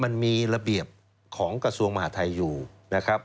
มันมีระเบียบของกระทรวงมหาทัยอยู่นะครับ